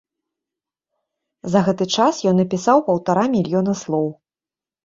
За гэты час ён напісаў паўтара мільёна слоў.